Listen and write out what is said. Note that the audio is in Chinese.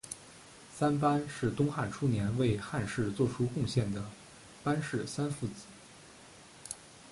三班是东汉初年为汉室作出贡献的班氏三父子。